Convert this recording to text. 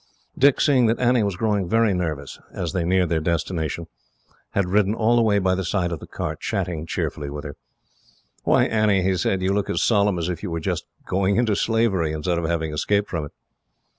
Dick, seeing that Annie was growing very nervous, as they neared their destination, had ridden all the way by the side of the cart, chatting cheerfully with her. "Why, Annie," he said, "you look as solemn as if you were just going into slavery, instead of having escaped from it."